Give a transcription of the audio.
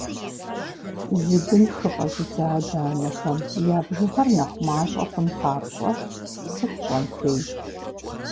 Зи бын хыфӏэзыдзэ адэ-анэхэм я бжыгъэр нэхъ мащӏэ хъун папщӏэ сыт щӏэн хуейр?